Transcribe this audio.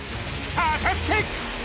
果たして？